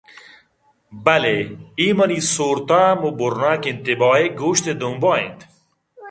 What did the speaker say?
بلئے اے منی سور تامءُ بُرِناکیں تباہِگیں گوشت ءِ دمبءَاِنت